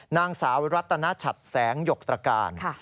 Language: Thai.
นางสาวรัตนชัดแสงหยกตรการ